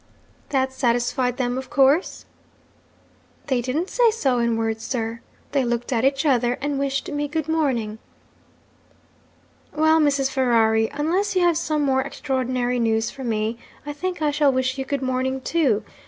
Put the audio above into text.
"' 'That satisfied them, of course?' 'They didn't say so in words, sir. They looked at each other and wished me good morning.' 'Well, Mrs. Ferrari, unless you have some more extraordinary news for me, I think I shall wish you good morning too.